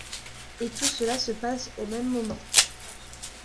Et tout cela se passe au même moment.